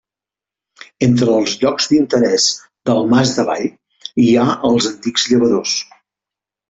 Entre els llocs d'interés del Mas d'Avall hi ha els antics llavadors.